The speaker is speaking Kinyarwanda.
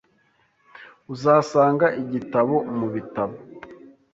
Uzasanga igitabo mubitabo